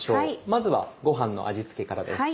まずはご飯の味付けからです。